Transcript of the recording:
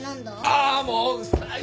ああもううっさい！